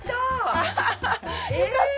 よかった！